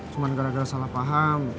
cuma gara gara salah paham